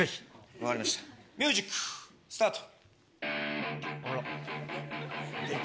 分かりましたミュージックスタート。